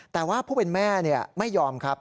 แต่ว่าผู้เป็นแม่ไม่ยอมครับ